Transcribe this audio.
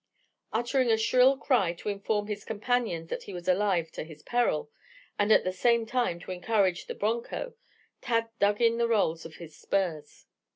Uttering a shrill cry to inform his companions that he was alive to his peril, and at the same time to encourage the broncho, Tad dug in the rowels of his spurs.